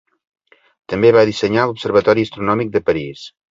També va dissenyar l'observatori astronòmic de París.